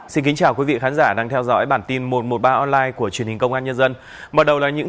chào mừng quý vị đến với bản tin một trăm một mươi ba online của truyền hình công an nhân dân